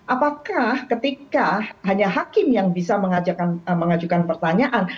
apakah ketika hanya hakim yang bisa mengajukan pertanyaan